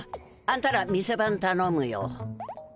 あんたら店番たのむよ。